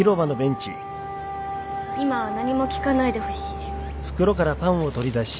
今は何も聞かないでほしい。